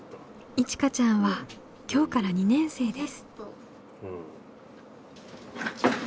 いちかちゃんは今日から２年生です。